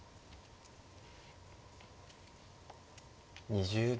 ２０秒。